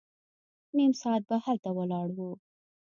نيم ساعت به هلته ولاړ وو.